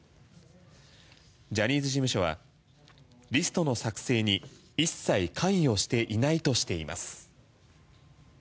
ジャニーズ事務所はリストの作成に一切関与していないとしています。